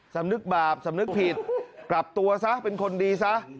สำนึกบาปสำนึกผิดกลับตัวซะเป็นคนดีซะ